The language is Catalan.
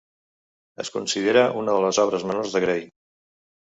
Es considera una de les obres menors de Gray.